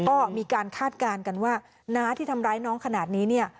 ก็มีการคาดการณ์กันว่าน้าที่ทำร้ายน้องขนาดนี้เนี่ย